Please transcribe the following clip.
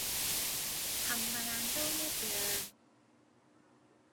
冚唪唥都一樣